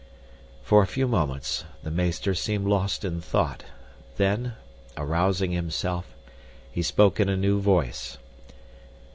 For a few moments the meester seemed lost in thought, then, arousing himself, he spoke in a new voice.